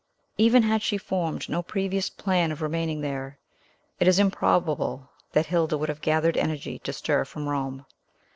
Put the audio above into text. Even had she formed no previous plan of remaining there, it is improbable that Hilda would have gathered energy to stir from Rome.